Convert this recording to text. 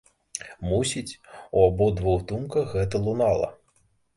Мусіць, у абодвух думка гэта лунала.